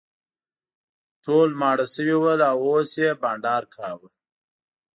ټول ماړه شوي ول او اوس یې بانډار کاوه.